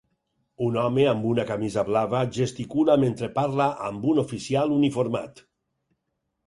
Un home amb una camisa blava gesticula mentre parla amb un oficial uniformat.